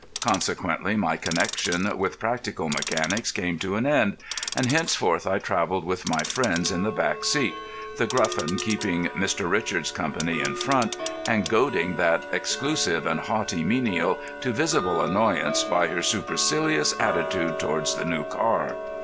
Consequently my connection with practical mechanics came to an end, and henceforth I travelled with my friends in the back seat, The Gruffin keeping Mr. Richards company in front, and goading that exclusive and haughty menial to visible annoyance by her supercilious attitude towards the new car.